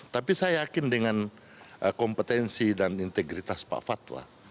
tapi saya yakin dengan kompetensi dan integritas pak fatwa